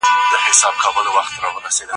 د مطالعې تنده بايد په هر ځوان کي وي.